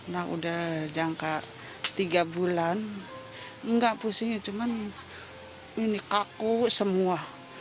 nah udah jangka tiga bulan nggak pusing ya cuman ini kaku semua